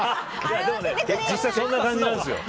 実際、そんな感じなんですよ。